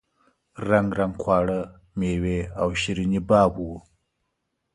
رنګ رنګ خواړه میوې او شیریني باب وو.